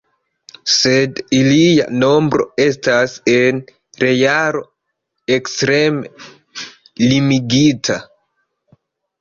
Sed ilia nombro estas en realo ekstreme limigita.